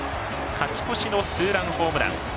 勝ち越しのツーランホームラン。